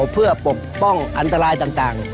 เพื่อปกป้องอันตรายต่าง